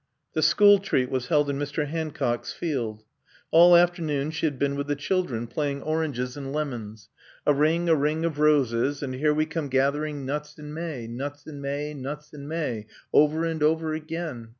The school treat was held in Mr. Hancock's field. All afternoon she had been with the children, playing Oranges and lemons, A ring, a ring of roses, and Here we come gathering nuts in May, nuts in May, nuts in May: over and over again.